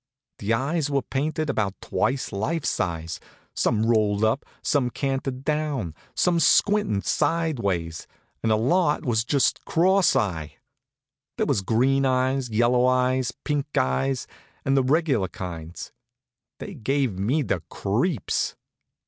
The eyes were painted about twice life size some rolled up, some canted down, some squintin' sideways, and a lot was just cross eye. There was green eyes, yellow eyes, pink eyes, and the regular kinds. They gave me the creeps.